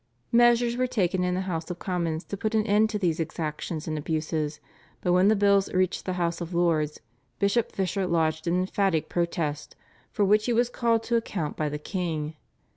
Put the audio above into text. Measures were taken in the House of Commons to put an end to these exactions and abuses, but when the bills reached the House of Lords Bishop Fisher lodged an emphatic protest for which he was called to account by the king.